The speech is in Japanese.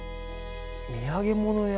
「土産物屋」。